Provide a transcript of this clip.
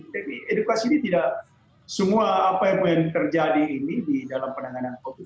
debbie edukasi ini tidak semua apa yang terjadi ini di dalam penanganan covid sembilan belas